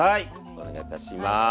お願いいたします。